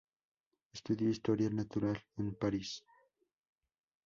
Estudió historia natural en París.